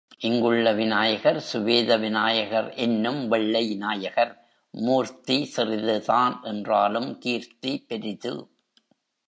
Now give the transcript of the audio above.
இங்குள்ள விநாயகர் சுவேத விநாயகர் என்னும் வெள்ளை நாயகர், மூர்த்தி சிறிதுதான் என்றாலும் கீர்த்தி பெரிது.